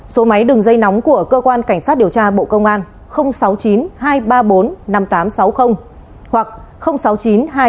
số máy đường dây nóng của cơ quan cảnh sát điều tra bộ công an sáu mươi chín hai trăm ba mươi bốn năm nghìn tám trăm sáu mươi hoặc sáu mươi chín hai trăm ba mươi hai một nghìn sáu trăm